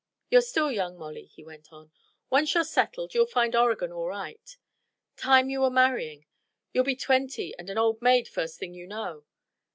"You're still young, Molly," he went on. "Once you're settled you'll find Oregon all right. Time you were marrying. You'll be twenty and an old maid first thing you know.